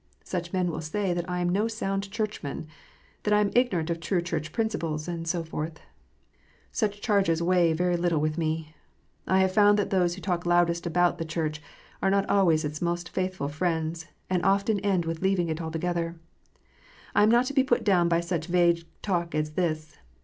Such men will say that I am no sound Churchman, that I am ignorant of true Church principles, and so forth. Such charges weigh very little with me. I have found that those who talk loudest about the Church are not always its most faithful friends, and often end with leaving it altogether. I am not to be put down by such vague talk as this.